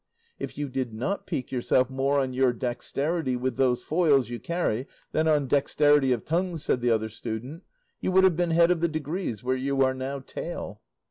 "If you did not pique yourself more on your dexterity with those foils you carry than on dexterity of tongue," said the other student, "you would have been head of the degrees, where you are now tail."